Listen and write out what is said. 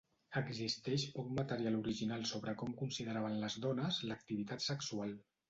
Existeix poc material original sobre com consideraven les dones l'activitat sexual.